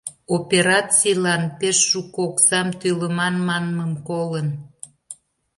Операцийлан пеш шуко оксам тӱлыман манмым колын.